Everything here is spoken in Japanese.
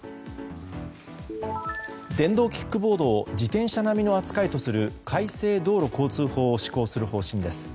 電動キックボードを自転車並みの扱いとする改正道路交通法を施行する方針です。